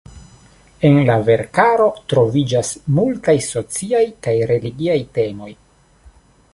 En la verkaro troviĝas multaj sociaj kaj religiaj temoj.